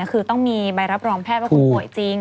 คือต้องมีใบรับรองแพทย์ว่าคุณป่วยจริง